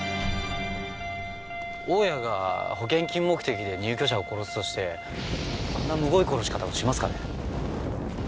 大家が保険金目的で入居者を殺すとしてあんなむごい殺し方をしますかね？